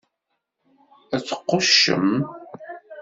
Ad tquccem!